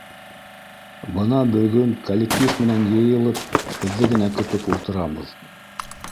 — Бына бөгөн коллектив менән йыйылып, һеҙҙе генә көтөп ултырабыҙ.